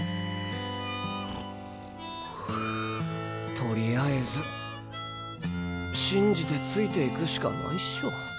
とりあえず信じてついて行くしかないっしょ。